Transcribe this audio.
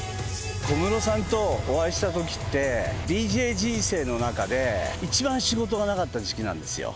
小室さんとお会いしたときってＤＪ人生の中で一番仕事がなかった時期なんですよ。